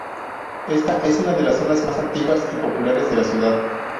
Esta es una de las zonas más antiguas y populares de la ciudad.